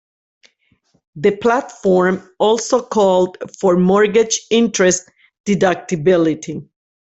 The platform also called for mortgage interest deductibility.